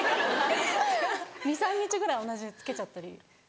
２３日ぐらい同じの着けちゃったり。